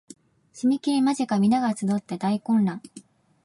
締切間近皆が集って大混乱